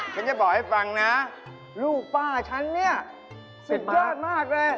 ฉันจะบอกให้ฟังนะลูกป้าฉันเนี่ยสุดยอดมากเลย